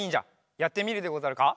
やってみるでござるか？